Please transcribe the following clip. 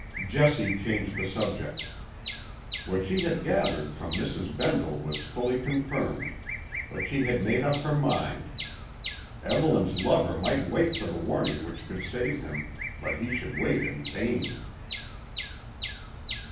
Jessie changed the subject. What she had gathered from Mrs. Bendle was fully confirmed, but she had made up her mind. Evelyn's lover might wait for the warning which could save him, but he should wait in vain.